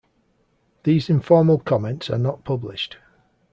These informal comments are not published.